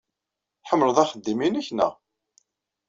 Tḥemmleḍ axeddim-nnek, naɣ?